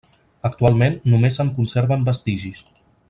Actualment només se'n conserven vestigis.